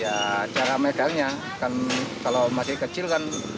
ya cara megangnya kan kalau masih kecil kan